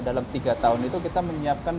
dalam tiga tahun itu kita menyiapkan